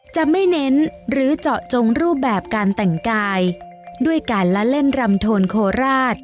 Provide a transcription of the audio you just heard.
จะไม่เน้นหรือเจาะจงรูปแบบการแต่งกายด้วยการละเล่นรำโทนโคราช